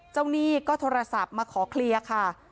หนี้ก็โทรศัพท์มาขอเคลียร์ค่ะ